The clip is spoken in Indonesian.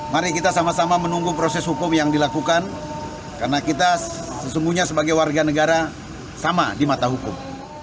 mari kita sama sama menunggu proses hukum yang dilakukan karena kita sesungguhnya sebagai warga negara sama di mata hukum